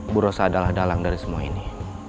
burosa adalah dalang dari semua ini